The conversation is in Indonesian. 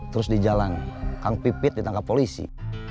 terus di jalan kang pipit ditangkap polisi